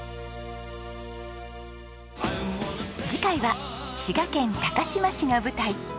次回は滋賀県高島市が舞台。